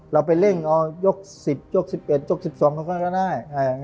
เราไปเร่งเอายก๑๐ยก๑๑ยก๑๒เขาก็ก็ได้